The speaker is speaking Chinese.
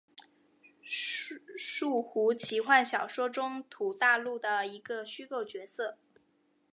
树胡奇幻小说中土大陆的一个虚构角色。